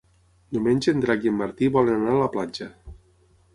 Diumenge en Drac i en Martí volen anar a la platja.